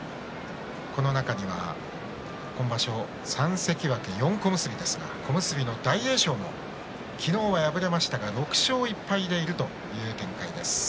この中には今場所３関脇４小結ですが小結の大栄翔も昨日は敗れましたが６勝１敗でいるという展開です。